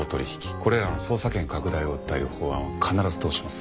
これらの捜査権拡大を訴える法案は必ず通します。